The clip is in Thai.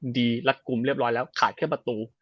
รัดกลุ่มเรียบร้อยแล้วขาดแค่ประตู